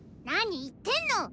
何言ってんの！